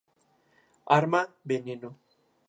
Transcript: Arma: Veneno.